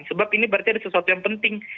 sebab ini berarti ada sesuatu yang penting